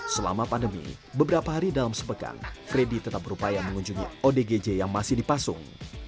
selama pandemi beberapa hari dalam sepekan freddy tetap berupaya mengunjungi odgj yang masih dipasung